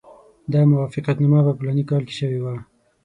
دا موافقتنامه په فلاني کال کې شوې وه.